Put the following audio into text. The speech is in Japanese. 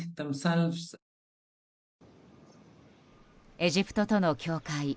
エジプトとの境界